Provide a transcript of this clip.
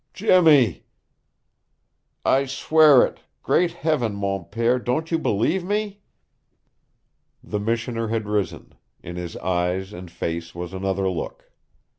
"Jimmy!" "I swear it! Great heaven, mon pere, don't you believe me?" The missioner had risen. In his eyes and face was another look.